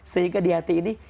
sehingga di hati ini